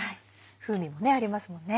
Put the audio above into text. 風味もありますもんね。